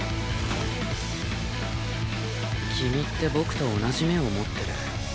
君って僕と同じ目を持ってる。